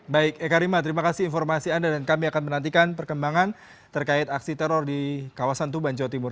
baik eka rima terima kasih informasi anda dan kami akan menantikan perkembangan terkait aksi teror di kawasan tuban jawa timur